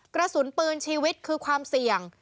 กระสุนปืนชีวิตคือความเสี่ยง